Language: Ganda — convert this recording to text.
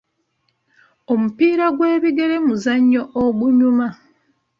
Omupiira gw'ebigere muzannyo ogunyuma.